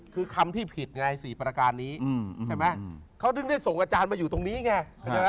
คือคำที่ผิดไง๔ประการนี้ใช่ไหมเขาถึงได้ส่งอาจารย์มาอยู่ตรงนี้ไง